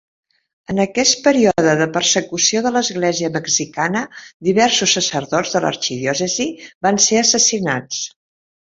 En aquest període de persecució de l'Església mexicana diversos sacerdots de l'arxidiòcesi van ser assassinats.